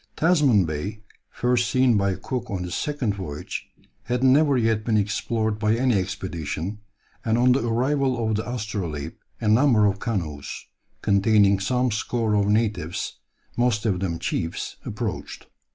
Tasman Bay, first seen by Cook on his second voyage, had never yet been explored by any expedition, and on the arrival of the Astrolabe a number of canoes, containing some score of natives, most of them chiefs, approached.